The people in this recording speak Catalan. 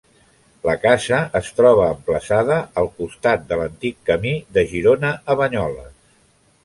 La casa es troba emplaçada al costat de l'antic camí de Girona a Banyoles.